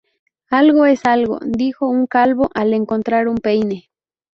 "Algo es algo" dijo un calvo al encontrar un peine